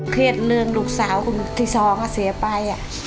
เขียดเรื่องลูกสาวที่๒เสียไป